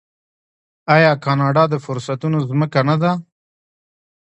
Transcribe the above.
آیا کاناډا د فرصتونو ځمکه نه ده؟